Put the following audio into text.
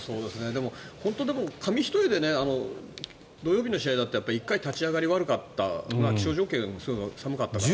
でも、本当に紙一重で土曜日の試合だって１回立ち上がりが悪かった気象条件も悪かったから。